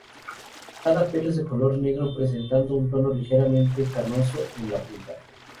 Cada pelo es de color negro, presentando un tono ligeramente canoso en la punta.